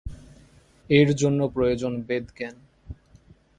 এর জন্য প্রয়োজন বেদ জ্ঞান।